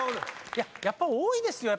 やっぱ多いですよ。